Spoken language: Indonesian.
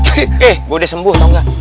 eh gue udah sembuh tahu gak